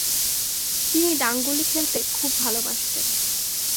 তিনি ডাংগুলি খেলতে খুব ভালোবাসতেন।